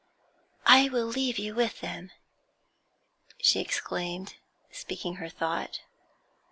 'I will leave you with them,' she exclaimed, speaking her' thought.